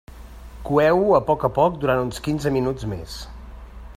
Coeu-ho a poc a poc durant uns quinze minuts més.